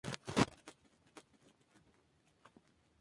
Se crean nuevas villas en el sector oriente, norte y sur de la ciudad.